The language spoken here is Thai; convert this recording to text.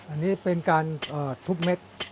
อันนี้เป็นการทุบเม็ด